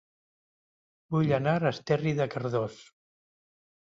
Vull anar a Esterri de Cardós